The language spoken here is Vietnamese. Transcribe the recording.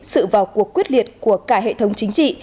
sự vào cuộc quyết liệt của cả hệ thống chính trị